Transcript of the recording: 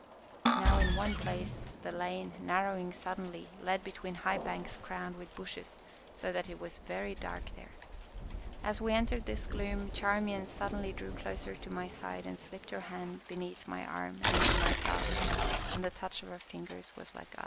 Now in one place the lane, narrowing suddenly, led between high banks crowned with bushes, so that it was very dark there. As we entered this gloom Charmian suddenly drew closer to my side and slipped her hand beneath my arm and into my clasp, and the touch of her fingers was like ice.